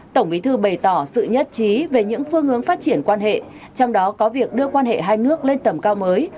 tổng bí thư bày tỏ sự nhất trí về những phương hướng phát triển quan hệ trong đó có việc đưa quan hệ hai nước lên tầm cao mới